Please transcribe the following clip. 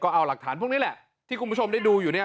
เอาหลักฐานพวกนี้แหละที่คุณผู้ชมได้ดูอยู่เนี่ย